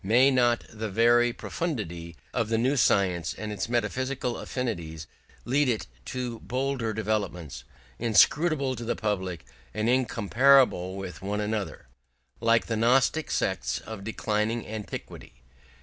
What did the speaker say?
May not the very profundity of the new science and its metaphysical affinities lead it to bolder developments, inscrutable to the public and incompatible with one another, like the gnostic sects of declining antiquity?